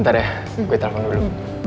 ntar deh gue telepon dulu